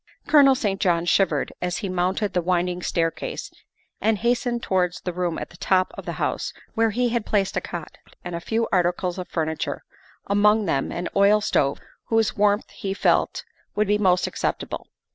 Colonel St. John shivered as he mounted the winding 158 THE WIFE OF staircase and hastened towards the room at the top of the house where he had placed a cot and a few articles of furniture, among them an oil stove whose warmth he felt would be most acceptable.